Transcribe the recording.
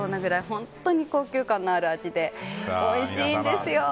本当に高級感のある味でおいしいんですよ。